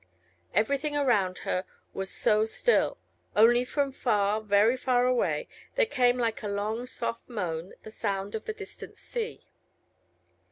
Everything around her was so still: only from far, very far away, there came like a long, soft moan, the sound of the distant sea.